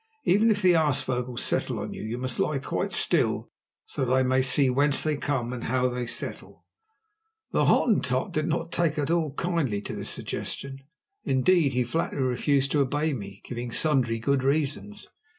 Even if the aasvogels settle on you, you must lie quite still, so that I may see whence they come and how they settle." The Hottentot did not take at all kindly to this suggestion. Indeed, he flatly refused to obey me, giving sundry good reasons.